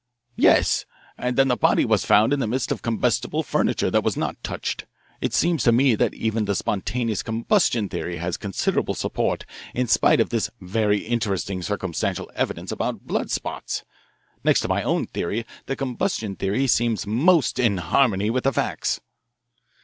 "Yes, and then the body was found in the midst of combustible furniture that was not touched. It seems to me that even the spontaneous combustion theory has considerable support in spite of this very interesting circumstantial evidence about blood spots. Next to my own theory, the combustion theory seems most in harmony with the facts."